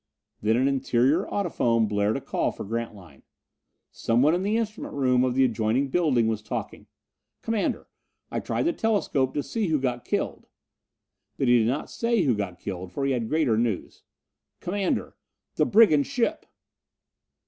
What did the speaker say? And then an interior audiphone blared a call for Grantline. Someone in the instrument room of the adjoining building was talking: "Commander, I tried the telescope to see who got killed " But he did not say who got killed, for he had greater news. "Commander! The brigand ship!"